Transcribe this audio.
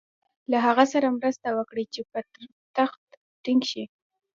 له هغه سره مرسته وکړي چې پر تخت ټینګ شي.